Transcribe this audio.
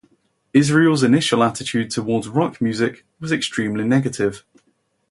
Israel's initial attitude toward rock music was extremely negative.